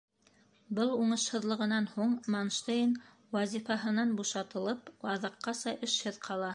Был уңышһыҙлығынан һуң Манштейн, вазифаһынан бушатылып, аҙаҡҡаса эшһеҙ ҡала.